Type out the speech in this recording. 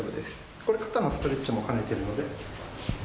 これ、肩のストレッチも兼ねてるので。